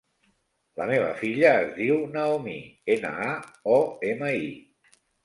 La meva filla es diu Naomi: ena, a, o, ema, i.